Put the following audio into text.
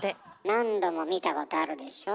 何度も見たことあるでしょう？